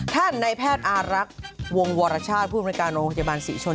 ในแพทย์อารักษ์วงวรชาติผู้อำนวยการโรงพยาบาลศรีชน